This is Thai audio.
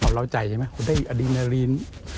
ความรัวใจใช่ไหมคุณได้อดีตนารีน